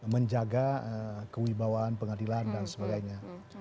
menjaga kewibawaan pengadilan dan sebagainya